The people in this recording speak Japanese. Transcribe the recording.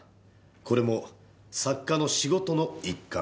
これも作家の仕事の一環。